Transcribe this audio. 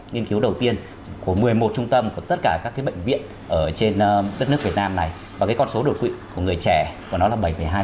nghiên cứu đầu tiên của một mươi một trung tâm của tất cả các bệnh viện ở trên đất nước việt nam này và con số đột quỵ của người trẻ của nó là bảy hai